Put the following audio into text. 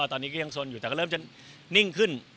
ตอนนี้ก็ยังสนอยู่แต่ก็เริ่มจะนิ่งขึ้น